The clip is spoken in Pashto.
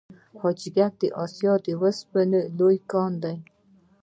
حاجي ګک د اسیا د وسپنې لوی کان دی